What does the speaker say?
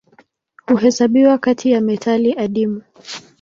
Huhesabiwa kati ya metali adimu.